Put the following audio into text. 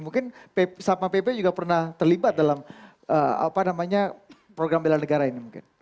mungkin sapma pepe juga pernah terlibat dalam program bila negara ini